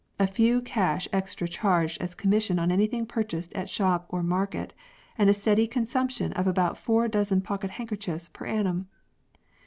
A few cash extra charged as com mission on anything purchased at shop or market, and a steady consumption of about four dozen pocket handkerchiefs per annum.